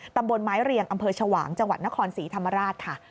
ตำบลไม้เรียงอำเภอชวางจังหวัดนครศรีธรรมราชค่ะ